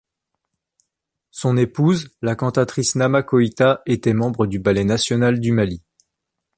Son épouse, la cantatrice Nama Koïta était membre du Ballet National du Mali.